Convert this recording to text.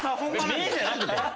目じゃなくて？